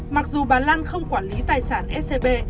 mặc dù bà lan không quản lý tài sản scb